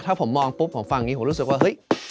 ถ้าผมมองปุ๊บผมฟังอย่างนี้ผมรู้สึกว่าเฮ้ย